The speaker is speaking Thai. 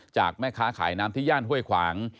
จากแม่ค้าขายน้ำที่ย่านห้วยขวาง